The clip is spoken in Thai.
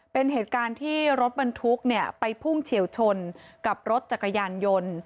เป็นเหตุการณ์ที่รถบรรทุกไปพุ่งเฉียวชนกับรถจักรยานยนต์